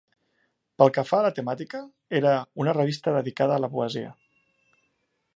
Pel que fa a la temàtica, era una revista dedicada a la poesia.